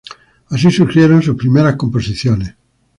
Así surgieron sus primeras composiciones.